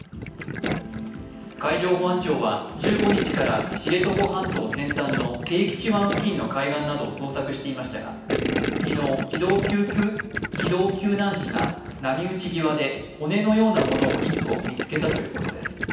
海上保安庁は１５日から知床半島先端の啓吉湾付近の海岸などを捜索していましたが昨日、機動救難士が波打ち際で骨のようなものを１個見つけたということです。